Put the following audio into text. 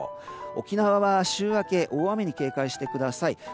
沖縄は週明け大雨に警戒してください。